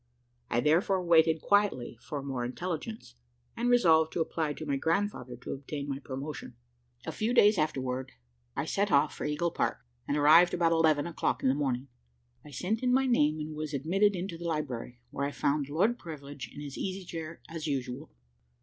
I therefore waited quietly for more intelligence, and resolved to apply to my grandfather to obtain my promotion. A few days afterwards I set off for Eagle Park, and arrived about eleven o'clock in the morning. I sent in my name and was admitted into the library, where I found Lord Privilege in his easy chair as usual.